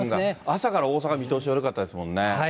朝から大阪、見通し悪かったですもんね。